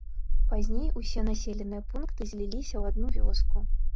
Пазней усе населеныя пункты зліліся ў адну вёску.